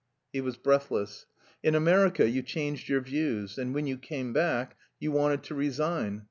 He was breathless. "In America you changed your views, and when you came back you wanted to resign.